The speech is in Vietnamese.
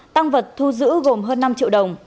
tăng vật thu giữ gồm hơn năm triệu đồng